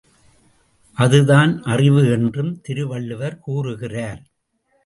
அதுதான் அறிவு என்றும் திருவள்ளுவர் கூறுகிறார்.